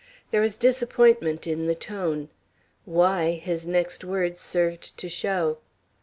There was disappointment in the tone. Why, his next words served to show.